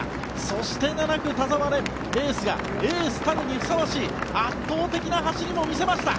そして７区、田澤廉エースがエースたるにふさわしい圧倒的な走りを見せました。